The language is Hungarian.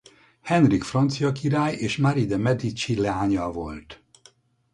Henrik francia király és Marie de’ Medici leánya volt.